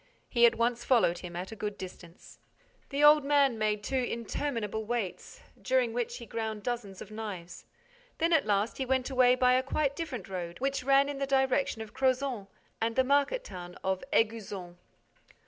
He at once followed him at a good distance. The old man made two interminable waits, during which he ground dozens of knives. Then, at last, he went away by a quite different road, which ran in the direction of Crozant and the market town of Éguzon.